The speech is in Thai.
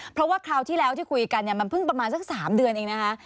เพราะว่าคราวที่แล้วที่คุยกันเนี่ยมันเพิ่งประมาณสัก๓เดือนเองนะคะ